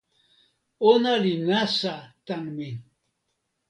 ona li nasa tan ni.